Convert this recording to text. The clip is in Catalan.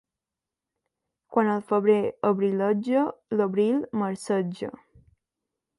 Quan el febrer abrileja, l'abril marceja.